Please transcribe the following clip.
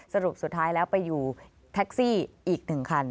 สรุปสุดท้ายแล้วไปอยู่แท็กซี่อีก๑คัน